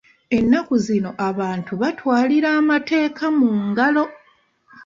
Ennaku zino abantu batwalira amateeka mu ngalo.